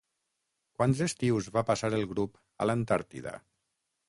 Quants estius va passar el grup a l'Antàrtida?